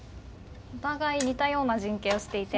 お互い似たような陣形をしていて。